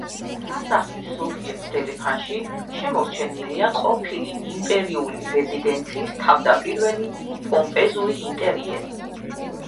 სასახლის ზოგიერთ დერეფანში შემორჩენილია ყოფილი იმპერიული რეზიდენციის თავდაპირველი პომპეზური ინტერიერი.